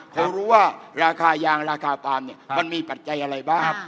เขารู้ว่าราคายางราคาปาล์มเนี่ยมันมีปัจจัยอะไรบ้าง